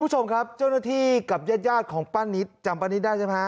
คุณผู้ชมครับเจ้าหน้าที่กับญาติของป้านิตจำป้านิตได้ใช่ไหม